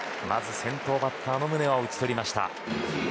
先頭バッターの宗は打ち取りました。